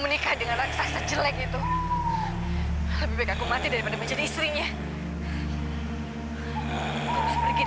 aku harus pergi dari sini